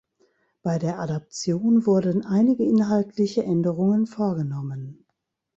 Bei der Adaption wurden einige inhaltliche Änderungen vorgenommen.